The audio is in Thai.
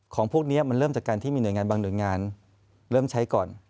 ของพวกนี้มันเริ่มจากการที่มีหน่วยงานบางหน่วยงานเริ่มใช้ก่อน